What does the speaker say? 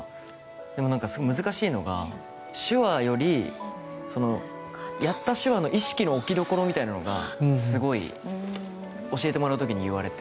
でも難しいのが手話よりやった手話の意識の置きどころみたいなのがすごい教えてもらう時に言われて。